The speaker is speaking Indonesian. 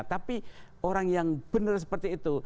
tapi orang yang benar seperti itu